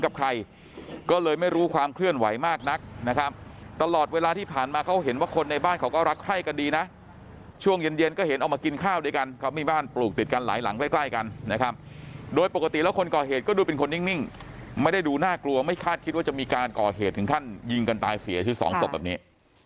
กับใครก็เลยไม่รู้ความเคลื่อนไหวมากนักนะครับตลอดเวลาที่ผ่านมาเขาเห็นว่าคนในบ้านเขาก็รักใคร่กันดีนะช่วงเย็นเย็นก็เห็นเอามากินข้าวด้วยกันเขามีบ้านปลูกติดกันหลายหลังใกล้ใกล้กันนะครับโดยปกติแล้วคนก่อเหตุก็ดูเป็นคนนิ่งไม่ได้ดูน่ากลัวไม่คาดคิดว่าจะมีการก่อเหตุถึงขั้นยิงกันตายเสียชีวิตสองศพแบบนี้